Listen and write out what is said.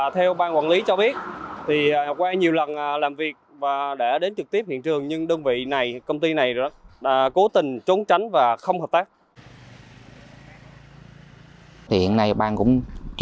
theo bang quản lý cho biết ngọc thanh nhiều lần làm việc